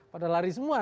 pada lari semua